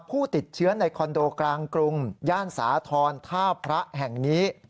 ผู้ติดเชื้อในคอนโดกลางกรุงย่านสาธรณ์ท่าพระแห่งนี้